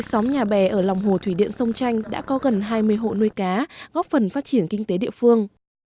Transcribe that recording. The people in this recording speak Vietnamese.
xóm nhà bè ở lòng hồ thủy điện sông chanh đã có gần hai mươi hộ nuôi cá góp phần phát triển kinh tế địa phương